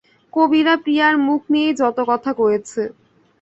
কবিরা প্রিয়ার মুখ নিয়েই যত কথা কয়েছে।